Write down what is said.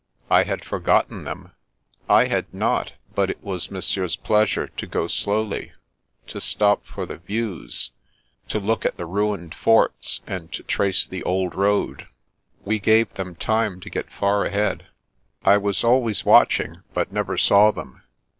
" I had forgotten them." I had not, but it was Monsieur's pleasure to go slowly; to stop for the views, to look at the ruined forts, and to trace the old road. We gave them time to get far ahead. I was always watching, but never saw them.